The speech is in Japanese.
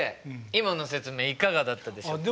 今の説明いかがだったでしょうか？